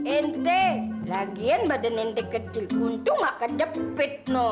ente lagian badan ente kecil kuntu nggak kejepit noh